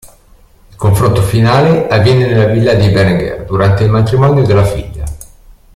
Il confronto finale avviene nella villa di Berenger durante il matrimonio della figlia.